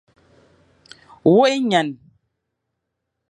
Wôkh ényan.